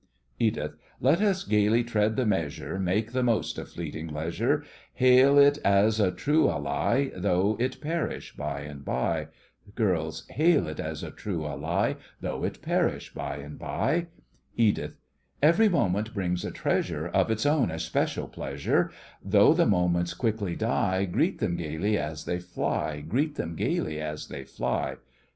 EDITH: Let us gaily tread the measure, Make the most of fleeting leisure, Hail it as a true ally, Though it perish by and by. GIRLS: Hail it as a true ally, Though it perish by and by. EDITH: Every moment brings a treasure Of its own especial pleasure; Though the moments quickly die, Greet them gaily as they fly, Greet them gaily as they fly.